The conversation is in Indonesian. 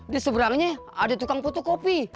di seberangnya ada tukang putih kopi